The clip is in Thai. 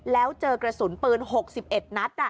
แล้วเจอกระสุนปืนหกสิบเอ็ดนัด